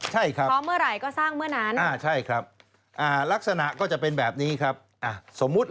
ใช่ครับใช่ครับลักษณะก็จะเป็นแบบนี้ครับพร้อมเมื่อไหร่ก็สร้างเมื่อนั้น